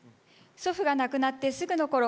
祖父が亡くなってすぐのころ